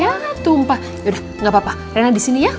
ya tumpah yaudah gapapa rena disini ya